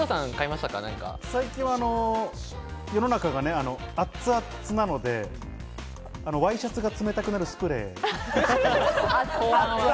最近は世の中がアツアツなので、ワイシャツが冷たくなるスプレー。